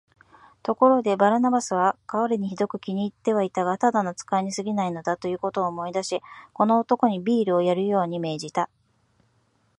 ところで、バルナバスは彼にひどく気に入ってはいたが、ただの使いにすぎないのだ、ということを思い出し、この男にビールをやるように命じた。